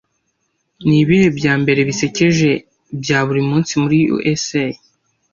Nibihe byambere bisekeje bya buri munsi muri USA